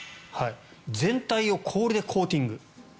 全体を氷でコーティング。